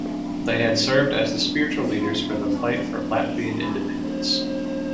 They had served as the spiritual leaders for the fight for Latvian independence.